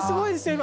今。